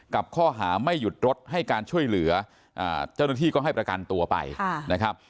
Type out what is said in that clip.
กับข้อหาไม่หยุดรถให้การช่วยเหลือเจ้าหน้าที่ก็ให้ประกันตัวไปนะครับ